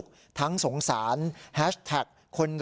ค้าเป็นผู้ชายชาวเมียนมา